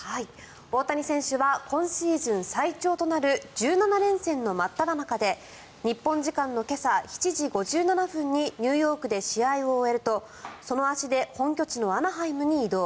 大谷選手は今シーズン最長となる１７連戦の真っただ中で日本時間の今朝７時５７分にニューヨークで試合を終えるとその足で本拠地のアナハイムに移動。